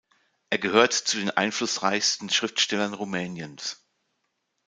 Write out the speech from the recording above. Er gehört zu den einflussreichsten Schriftstellern Rumäniens.